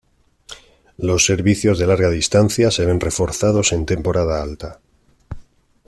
Los servicios de Larga Distancia se ven reforzados en temporada alta.